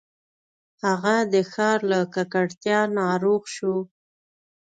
هغه د ښار له ککړتیا ناروغ شو.